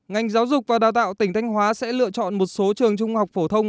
ngành giáo dục và đào tạo tỉnh thanh hóa sẽ lựa chọn một số trường trung học phổ thông